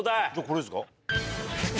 これですか？